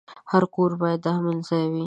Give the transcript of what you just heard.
هر کور باید د امن ځای وي.